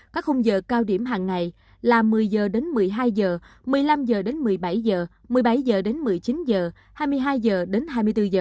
các khung giờ cao điểm hàng ngày là một mươi h một mươi hai h một mươi năm h một mươi bảy h một mươi bảy h một mươi chín h hai mươi hai h hai mươi bốn h